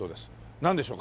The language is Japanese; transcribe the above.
なんでしょうか？